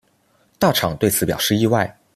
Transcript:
大场对此表示意外。